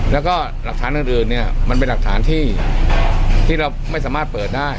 แล้วก็หลักฐานอื่นเนี่ยมันเป็นหลักฐานที่เราไม่สามารถเปิดได้